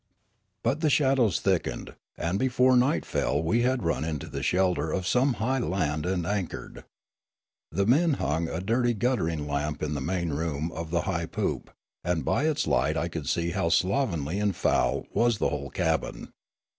But the shadows thickened, and before night fell we had run into the shelter of some high land and anchored. The men hung a dirty guttering lamp in the main room of the high poop, and by its light I could see how slovenl)^ and foul was the whole cabin.